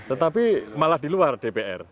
tetapi malah di luar dpr